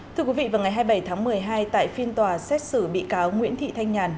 thưa quý vị vào ngày hai mươi bảy tháng một mươi hai tại phiên tòa xét xử bị cáo nguyễn thị thanh nhàn